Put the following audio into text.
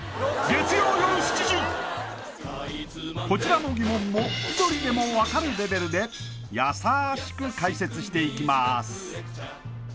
こちらの疑問も千鳥でも分かるレベルでやさしく解説していきます